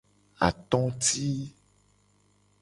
Atoti.